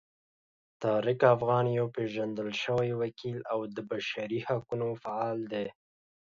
طارق افغان یو پیژندل شوی وکیل او د بشري حقونو فعال دی.